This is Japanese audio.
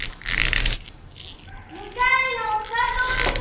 向かいの佐藤です！